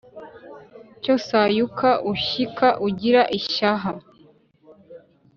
cyo sayuka ushyika ugira ishyaha